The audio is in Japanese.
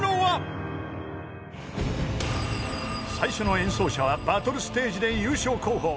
［最初の演奏者はバトルステージで優勝候補